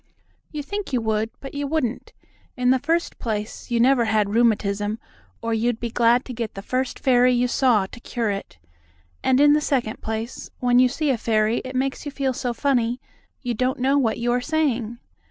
"You think you would, but you wouldn't. In the first place, you never had rheumatism, or you'd be glad to get the first fairy you saw to cure it. And in the second place, when you see a fairy it makes you feel so funny you don't know what you are saying.